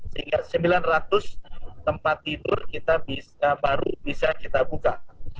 sehingga sembilan ratus tempat tidur baru bisa kita buka